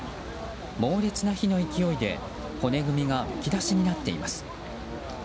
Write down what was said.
猛烈な火の勢いで骨組みがむき出しになっています。